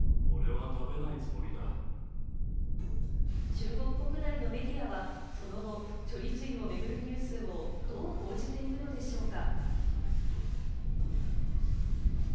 中国国内のメディアは、その後、処理水を巡るニュースをどう報じているのでしょうか？